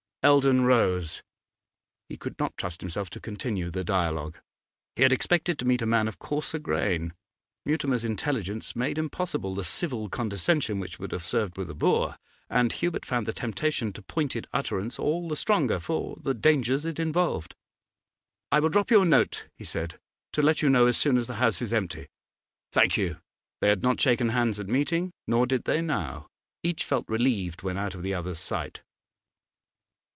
Eldon rose; he could not trust himself to continue the dialogue. He had expected to meet a man of coarser grain; Mutimer's intelligence made impossible the civil condescension which would have served with a boor, and Hubert found the temptation to pointed utterance all the stronger for the dangers it involved. 'I will drop you a note,' he said, 'to let you know as soon as the house is empty.' 'Thank you.' They had not shaken hands at meeting, nor did they now. Each felt relieved when out of the other's sight.